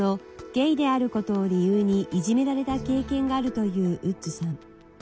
ゲイであることを理由にいじめられた経験があるというウッズさん。